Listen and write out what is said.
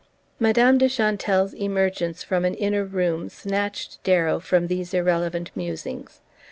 Madame de Chantelle's emergence from an inner room snatched Darrow from these irrelevant musings.